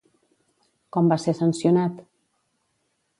Com va ser sancionat?